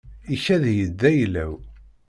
Ikad-iyi-d d ayla-w.